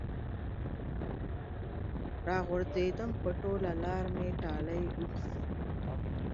راغورځېدم په ټوله لاره مې ټالۍ وخوړې